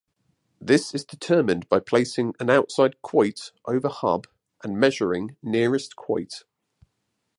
This is determined by placing an outside Quoit over Hub and measuring nearest Quoit.